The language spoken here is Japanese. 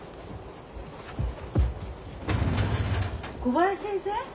小林先生？